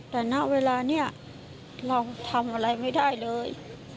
แต่ณเวลานี้เราทำอะไรไม่ได้เลย